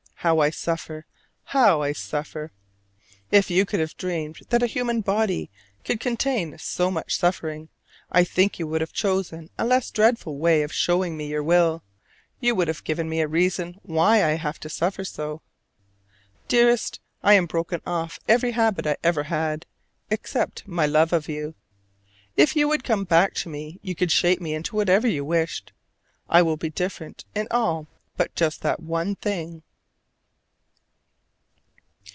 How I suffer, how I suffer! If you could have dreamed that a human body could contain so much suffering, I think you would have chosen a less dreadful way of showing me your will: you would have given me a reason why I have to suffer so. Dearest, I am broken off every habit I ever had, except my love of you. If you would come back to me you could shape me into whatever you wished. I will be different in all but just that one thing.